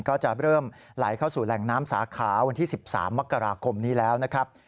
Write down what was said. ก็จะเริ่มไหลเข้าสู่แหล่งน้ำสาขาวันที่๑๓มกราคมนี้แล้วนะครับ